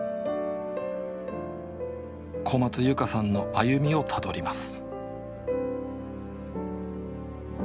小松由佳さんの歩みをたどります